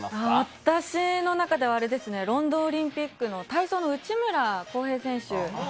私の中ではロンドンオリンピックの体操の内村航平選手。